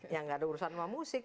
yang enggak ada urusan dengan musik